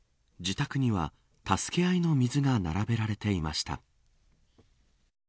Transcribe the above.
自宅には助け合いの水が並べられていました。